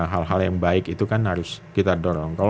hal hal yang baik itu kan harus kita dorong